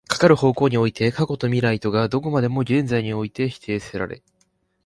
かかる方向において過去と未来とがどこまでも現在において否定せられ、